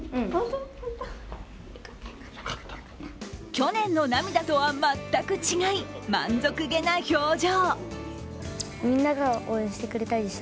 去年の涙とは全く違い、満足げな表情。